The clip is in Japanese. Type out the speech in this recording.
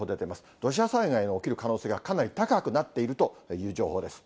土砂災害の起きる可能性がかなり高くなっているという情報です。